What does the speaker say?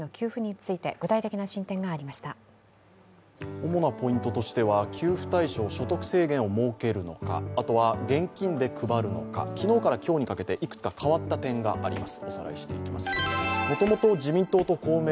主なポイントとしては、給付対象所得制限を設けるのか、あとは現金で配るのか昨日から今日にかけていくつか変わった点があります。